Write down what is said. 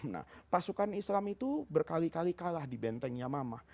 nah pasukan islam itu berkali kali kalah di benteng yamamah